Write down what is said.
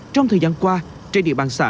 trong thời gian qua trên địa bàn xã